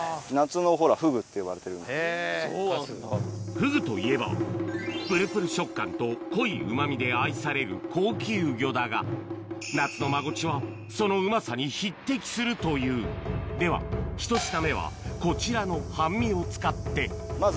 フグといえばぷるぷる食感と濃いうまみで愛される高級魚だが夏のマゴチはそのうまさに匹敵するというでは１品目はこちらの半身を使ってまず。